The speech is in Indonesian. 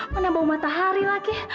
mana bau matahari lagi